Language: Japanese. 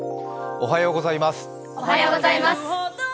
おはようございます。